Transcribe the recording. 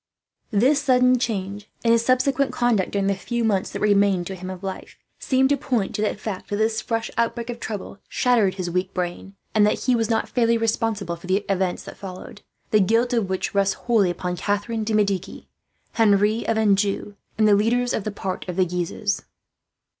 This sudden change, and his subsequent conduct during the few months that remained to him of life, seem to point to the fact that this fresh access of trouble shattered his weak brain, and that he was not fairly responsible for the events that followed the guilt of which rests wholly upon Catharine de Medici, Henry of Anjou, and the leaders of the party of the Guises.